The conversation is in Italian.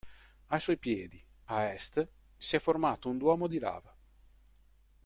Ai suoi piedi, a est, si è formato un duomo di lava.